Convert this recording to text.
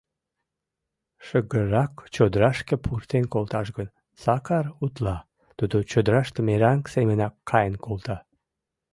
— Шыгыррак чодырашке пуртен колташ гын, Сакар утла: тудо чодыраште мераҥ семынак каен колта.